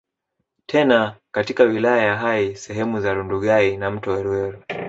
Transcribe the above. Tena katika wilaya ya Hai sehemu za Rundugai na mto Weruweru